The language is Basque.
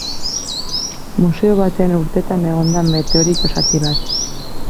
Museo batean urtetan egon da meteorito zati bat.